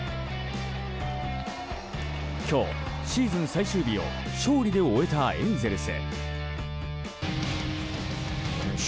今日、シーズン最終日を勝利で終えたエンゼルス。